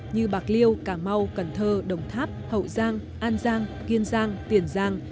như bạc liêu cà mau cần thơ đồng tháp hậu giang an giang kiên giang tiền giang